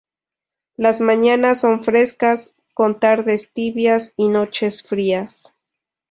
Las mañanas son frescas, con tardes tibias y noches frías.